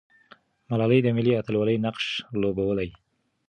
ملالۍ د ملي اتلولۍ نقش لوبولی.